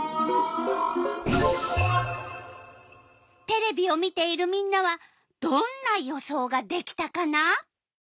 テレビを見ているみんなはどんな予想ができたかな？